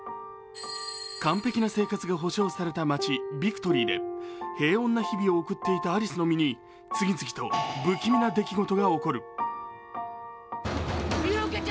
完璧な生活が保証された街ビクトリーで平穏な日々を送っていたアリスの身に次々と不気味な出来事が起きる。